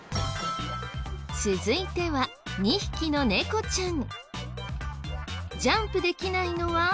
続いては２匹の猫ちゃん。